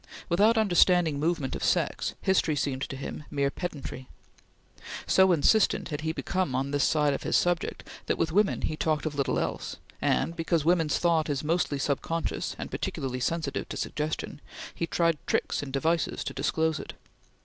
Without understanding movement of sex, history seemed to him mere pedantry. So insistent had he become on this side of his subject that with women he talked of little else, and because women's thought is mostly subconscious and particularly sensitive to suggestion he tried tricks and devices to disclose it.